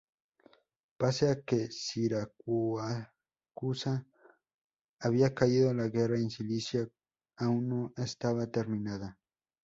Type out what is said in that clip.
Pese a que Siracusa había caído, la guerra en Sicilia aún no estaba terminada.